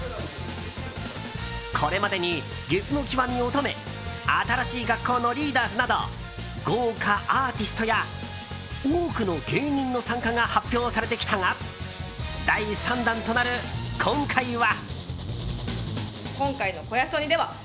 これまでに、ゲスの極み乙女新しい学校のリーダーズなど豪華アーティストや多くの芸人の参加が発表されてきたが第３弾となる今回は。